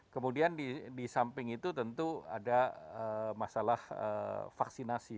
kemudian di samping itu tentu ada masalah vaksinasi